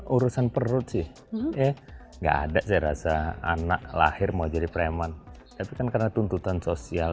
urusan perut sih ya enggak ada saya rasa anak lahir mau jadi preman tapi kan karena tuntutan sosial